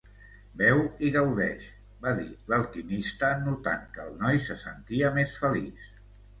"Beu i gaudeix", va dir l'alquimista, notant que el noi se sentia més feliç.